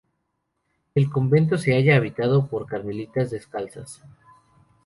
El convento se halla habitado por carmelitas descalzas.